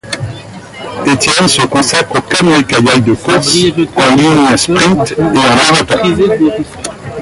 Etienne se consacre au canoë kayak de course en ligne sprint et en marathon.